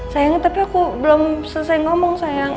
sayangnya tapi aku belum selesai ngomong sayang